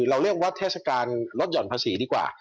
เราเรียกว่าเทศกาลลดหย่อนภาษีดีกว่า